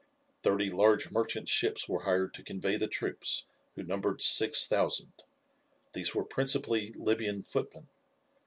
Thirty large merchant ships were hired to convey the troops, who numbered six thousand. These were principally Libyan footmen.